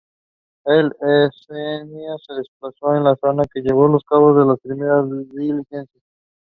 He was convener of the Indian Mission for many years.